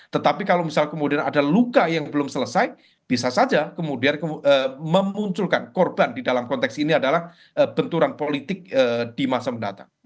tetapi kalau misal kemudian ada luka yang belum selesai bisa saja kemudian memunculkan korban di dalam konteks ini adalah benturan politik di masa mendatang